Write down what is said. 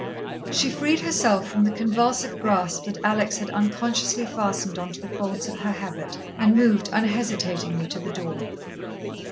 She freed herself from the convulsive grasp that Alex had unconsciously fastened on to the folds of her habit and moved unhesitatingly to the door.